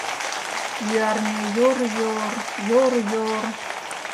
Ӱярня йор-йор, йор-йор